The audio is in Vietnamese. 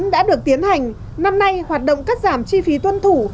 đã được tiến hành năm nay hoạt động cắt giảm chi phí tuân thủ